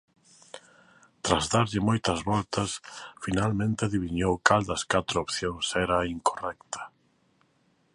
Tras darlle moitas voltas, finalmente adiviñou cal das catro opcións era a incorrecta.